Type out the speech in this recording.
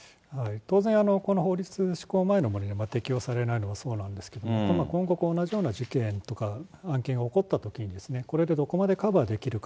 当然、この法律施行前のものは適用されないのはそうなんですけども、今後、同じような事件とか案件が起こったときに、どれだけカバーできるか。